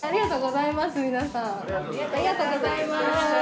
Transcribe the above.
ありがとうございます皆さん。